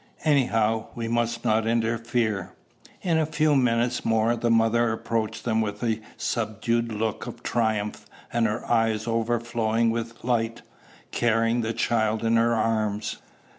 Anyhow, we must not interfere." In a few minutes more the mother approached them with a subdued look of triumph, and her eyes overflowing with light, carrying the child in her arms.